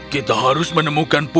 kita harus menemukan putri